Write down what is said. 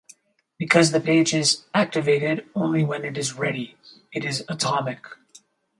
Because the page is "activated" only when it is ready, it is atomic.